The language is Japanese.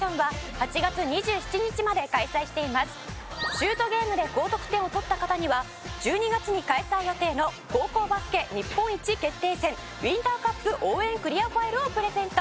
シュートゲームで高得点を取った方には１２月に開催予定の高校バスケ日本一決定戦ウインターカップ応援クリアファイルをプレゼント。